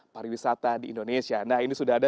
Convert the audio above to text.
pariwisata di indonesia nah ini sudah ada